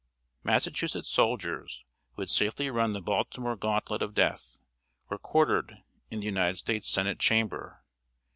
Massachusetts soldiers, who had safely run the Baltimore gantlet of death, were quartered in the United States Senate Chamber.